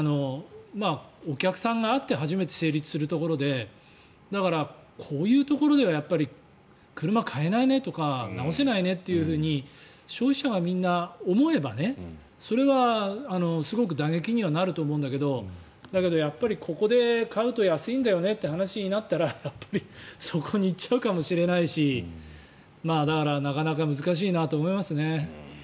お客さんがあって初めて成立するところでだから、こういうところでは車を買えないねとか直せないねと消費者がみんな思えばそれはすごく打撃にはなると思うんだけどだけど、ここで買うと安いんだよねって話になったらそこに行っちゃうかもしれないしだから、なかなか難しいなと思いますね。